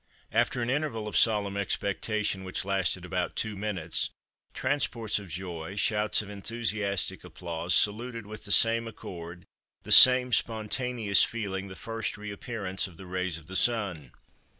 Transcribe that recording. After an interval of solemn expectation, which lasted about two minutes, transports of joy, shouts of enthusiastic applause, saluted with the same accord, the same spontaneous feeling, the first reappearance of the rays of the Sun.